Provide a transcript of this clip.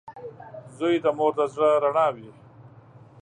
• زوی د مور د زړۀ رڼا وي.